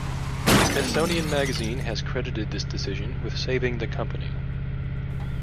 Smithsonian magazine has credited this decision with saving the company.